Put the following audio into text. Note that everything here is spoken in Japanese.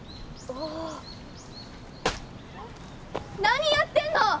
何やってんの！